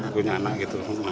punya anak gitu